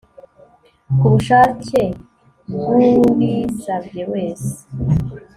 ku bushake bw ubisabye wese